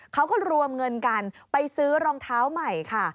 เขาก็รวมเงินกันไปซื้อรองเท้าใหม่ค่ะ